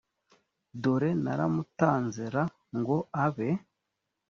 dore naramutanze r ngo abe